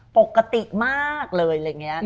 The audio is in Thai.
ปกติมากเลย